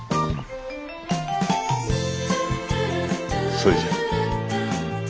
それじゃ。